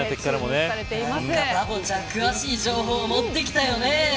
バボちゃん、詳しい情報を持ってきたよね。